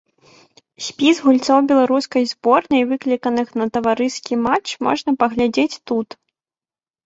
Спіс гульцоў беларускай зборнай, выкліканых на таварыскі матч, можна паглядзець тут.